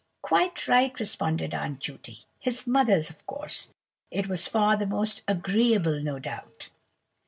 "Quite right," responded Aunt Judy. "His mother's, of course. It was far the most agreeable, no doubt.